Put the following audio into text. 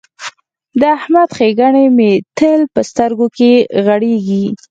د احمد ښېګڼې مې تل په سترګو کې غړېږي.